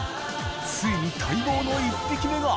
ついに待望の１匹目が）